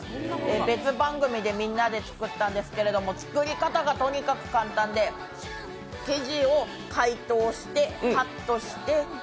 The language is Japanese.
別番組でみんなで作ったんですけども、作り方がとにかく簡単で、生地を解凍してカットして。